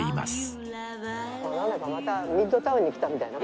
なんだかまたミッドタウンに来たみたいな感じ。